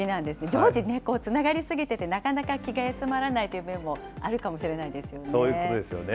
常時、つながり過ぎてて、なかなか気が休まらないという面もあるかもしれないですよね。